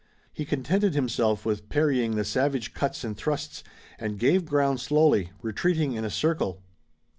He contented himself with parrying the savage cuts and thrusts, and gave ground slowly, retreating in a circle.